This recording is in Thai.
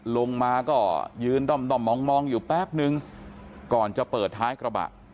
ลงมาก็ยืนด้อมมองอยู่แป๊บนึงก่อนจะเปิดท้ายกระบะ